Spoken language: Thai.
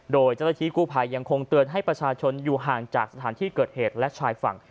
โดยเจ้าหน้าที่กู้ภัยยังคงเตือนให้ประชาชนอยู่ห่างจากสถานที่เกิดเหตุและชายฝั่ง